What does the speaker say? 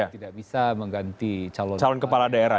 tidak bisa mengganti calon kepala daerah